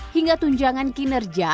hingga tunjangan kinerja